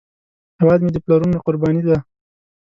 هیواد مې د پلرونو قرباني ده